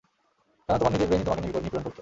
কেন তোমার নিজের ব্রেইনই তোমাকে নিপীড়ন করত?